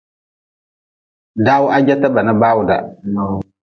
Daw-ha jeta bana bawda.